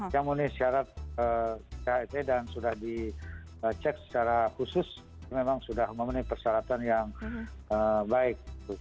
yang memenuhi syarat het dan sudah dicek secara khusus memang sudah memenuhi persyaratan yang baik